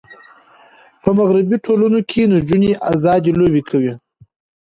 په مغربي ټولنو کې نجونې آزادې لوبې کوي.